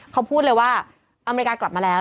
เขาพูดเลยว่าอเมริกากลับมาแล้ว